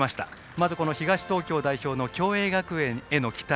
まず東東京代表の共栄学園への期待。